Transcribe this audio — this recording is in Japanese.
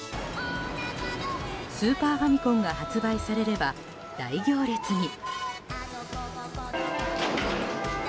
スーパーファミコンが発売されれば、大行列に。